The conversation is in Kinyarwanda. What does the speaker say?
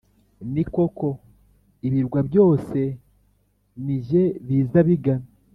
ni koko, ibirwa byose ni jye biza bigana,